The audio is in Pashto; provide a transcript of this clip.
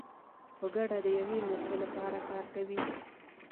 په ګډه د یوې موخې لپاره کار کوي.